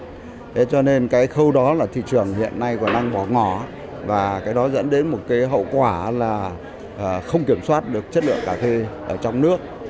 thế cho nên cái khâu đó là thị trường hiện nay còn đang bỏ ngỏ và cái đó dẫn đến một cái hậu quả là không kiểm soát được chất lượng cà phê ở trong nước